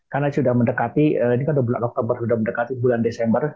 karena sudah mendekati ini kan dua puluh oktober sudah mendekati bulan desember